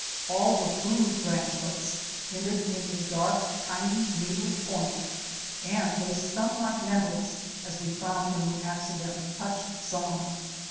All the blue branchlets ended in a dark, tiny needle point, and they stung like nettles as we found when we accidentally touched some.